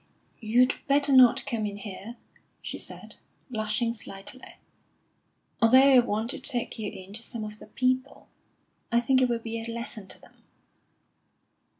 "You'd better not come in here," she said, blushing slightly; "although I want to take you in to some of the people. I think it will be a lesson to them."